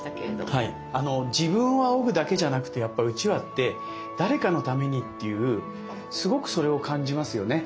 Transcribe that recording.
自分をあおぐだけじゃなくてやっぱうちわって誰かのためにっていうすごくそれを感じますよね。